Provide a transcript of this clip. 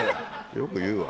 よく言うわ。